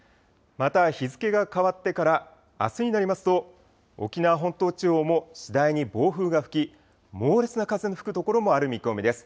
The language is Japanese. また日付が変わってから、あすになりますと、沖縄本島地方も次第に暴風が吹き、猛烈な風が吹く所がある見込みです。